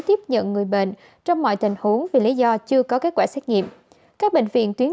tiếp nhận người bệnh trong mọi tình huống vì lý do chưa có kết quả xét nghiệm các bệnh viện tuyến